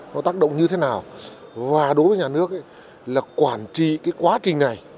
nó tác động như thế nào và đối với nhà nước là quản trị cái quá trình này